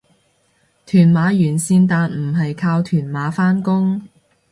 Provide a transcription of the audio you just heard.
屯馬沿線但唔係靠屯馬返工